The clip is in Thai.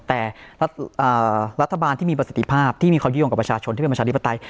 แต่รัฐบาลที่มีประสิทธิภาพที่มีความยุ่งกับประชาชนที่เป็นประชาธิปไตย